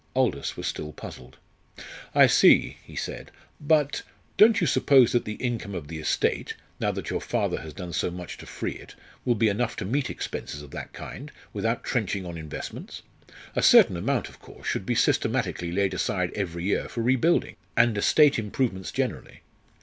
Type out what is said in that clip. Aldous was still puzzled. "I see," he said. "But don't you suppose that the income of the estate, now that your father has done so much to free it, will be enough to meet expenses of that kind, without trenching on investments? A certain amount, of course, should be systematically laid aside every year for rebuilding, and estate improvements generally."